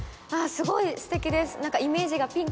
すごいすてきです。